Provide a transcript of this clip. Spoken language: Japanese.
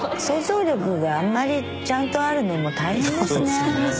想像力があんまりちゃんとあるのも大変ですね。